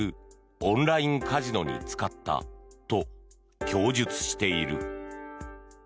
オンラインカジノに使ったと供述している。